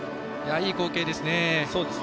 いい光景ですね。